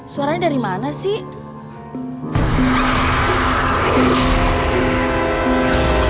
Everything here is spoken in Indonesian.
suaranya dari mana sih